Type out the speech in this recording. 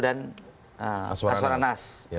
dan aswar anas